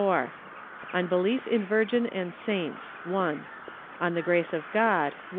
4 On Belief in Virgin and Saints 1 On the Grace of God